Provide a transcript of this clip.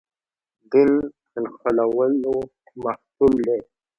دین نښلولو محصول دی.